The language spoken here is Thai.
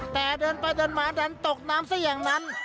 แต่เดินไปเดินมาดันตกน้ำซะอย่างนั้น